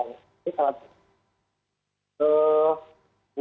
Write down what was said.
ini salah satu